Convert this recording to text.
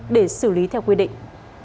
để xử lý theo quy định